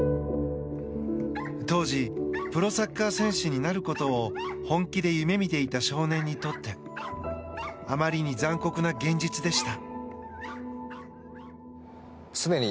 当時プロサッカー選手になることを本気で夢見ていた少年にとってあまりに残酷な現実でした。